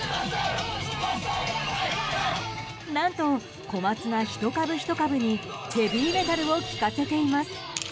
何と小松菜１株１株にヘビーメタルを聴かせています。